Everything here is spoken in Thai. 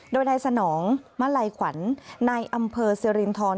โดยนายสนองมะไล่ขวัญนายอำเภอเสรียรินทร